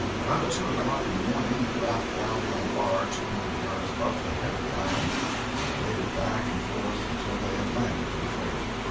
About two o'clock in the morning the raft grounded on the bar two hundred yards above the head of the island, and they waded back and forth until they had landed their freight.